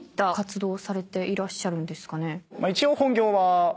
一応。